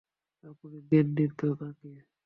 আপনি দেননি তো তাকে?